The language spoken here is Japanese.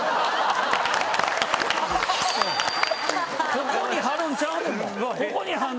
ここに貼るんちゃうねんもん